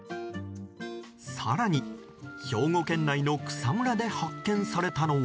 更に、兵庫県内の草むらで発見されたのは。